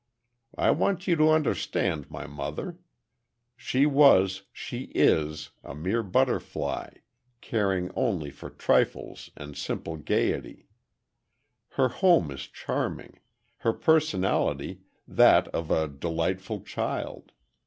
I want you to understand my mother. She was—she is, a mere butterfly, caring only for trifles and simple gayety. Her home is charming, her personality, that of a delightful child.